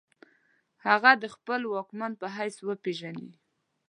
هغه د خپل واکمن په حیث وپیژني.